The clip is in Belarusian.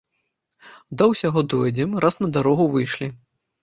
Да ўсяго дойдзем, раз на дарогу выйшлі!